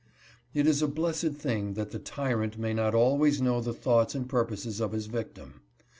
It is a blessed thing that the tyrant may not always know the thoughts and purposes of his victim.